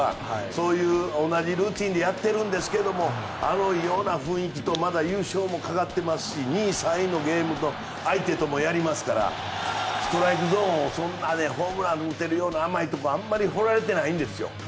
そういう同じルーティンでやってるんですけどあのような雰囲気と優勝もかかってますし２位、３位のゲーム差がある相手ともやりますからストライクゾーンをそんなにホームランを打てるような甘いところに放られてないんですよ。